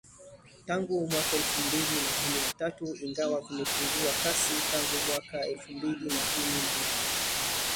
tangu mwaka elfu mbili na kumi na tatu ingawa vimepungua kasi tangu mwaka elfu mbili na kumi na nane